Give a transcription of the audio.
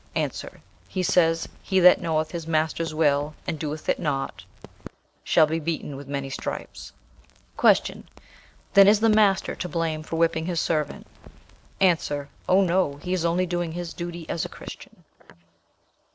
A. 'He says, He that knoweth his master's will, and doeth it not, shall be beaten with many stripes.' "Q. Then is the master to blame for whipping his servant? A. 'Oh, no! he is only doing his duty as a Christian.'"